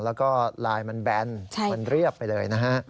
แล้วก็ไลน์มันแบนมันเรียบไปเลยนะฮะ